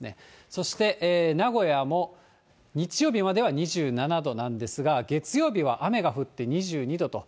そして、名古屋も日曜日までは２７度までなんですが、月曜日は雨が降って２２度と。